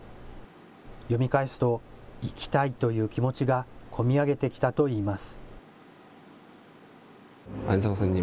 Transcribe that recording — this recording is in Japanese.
読み返すと、生きたいという気持ちが込み上げてきたといいます。